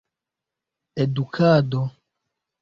edukado